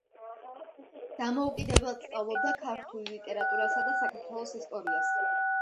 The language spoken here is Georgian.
დამოუკიდებლად სწავლობდა ქართულ ლიტერატურასა და საქართველოს ისტორიას.